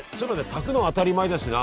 炊くの当たり前だしな。